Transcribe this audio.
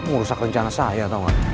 kamu rusak rencana saya tau gak